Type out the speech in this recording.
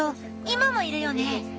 今もいるよね。